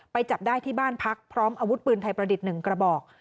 จับได้ที่บ้านพักพร้อมอาวุธปืนไทยประดิษฐ์๑กระบอก